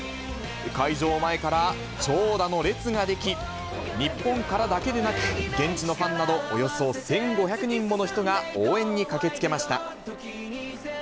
開場前から長蛇の列が出来、日本からだけでなく、現地のファンなどおよそ１５００人もの人が応援に駆けつけました。